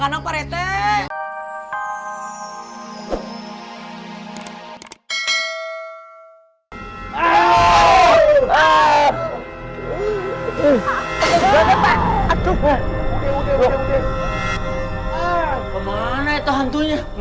ke mana itu hantunya